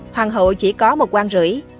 hoàng hậu chỉ có một quang rưỡi